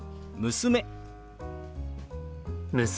娘。